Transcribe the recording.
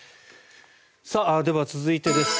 では、続いてです。